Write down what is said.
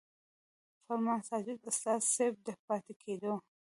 فرمان ساجد استاذ صېب د پاتې کېدو